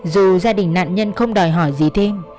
dù gia đình nạn nhân không đòi hỏi gì thêm